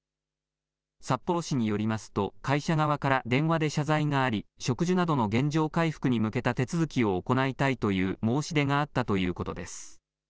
札幌市によりますと会社側から電話で謝罪があり、植樹などの原状回復に向けた手続きを行いたいという申し出があったということです。